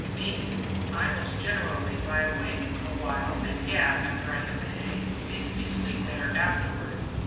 "Me? I most generally lie awake a while and gab after I hit the hay. Makes me sleep better afterward."